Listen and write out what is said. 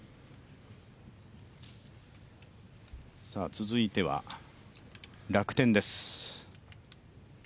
続いては、楽天です。